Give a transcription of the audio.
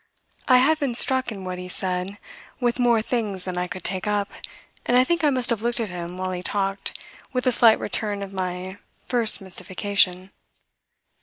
I had been struck in what he said with more things than I could take up, and I think I must have looked at him, while he talked, with a slight return of my first mystification.